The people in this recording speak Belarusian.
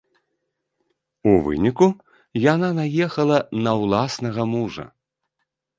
У выніку яна наехала на ўласнага мужа.